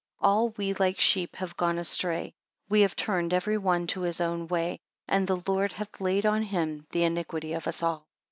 8 All we like sheep have gone astray; we have turned every one to his own way; and the Lord hath laid on him the iniquity of us all.